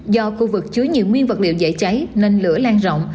do khu vực chứa nhiều nguyên vật liệu dễ cháy nên lửa lan rộng